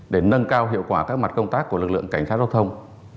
để nâng cao hiệu quả các mặt công tác của lực lượng cảnh sát giao thông